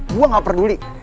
gue gak peduli